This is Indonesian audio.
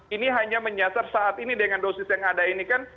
ini hanya menyasar saat ini dengan dosis yang ada ini kan